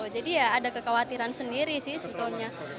jadi ya ada kekhawatiran sendiri sih sebetulnya